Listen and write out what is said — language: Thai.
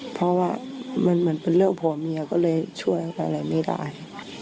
เพราะว่ามันเหมือนเป็นเรื่องผัวเมียก็เลยช่วยอะไรไม่ได้